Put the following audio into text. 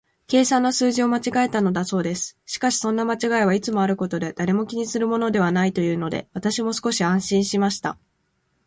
計算の数字を間違えたのだそうです。しかし、そんな間違いはいつもあることで、誰も気にするものはないというので、私も少し安心しました。